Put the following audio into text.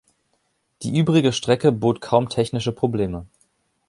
Die übrige Strecke bot kaum technische Probleme.